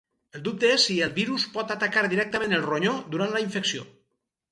El dubte és si el virus pot atacar directament el ronyó durant la infecció.